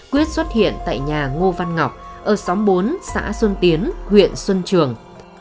quyết xuất hiện tại nhà ngô văn ngọc ở xóm bốn xã xuân tiến huyện xuân trường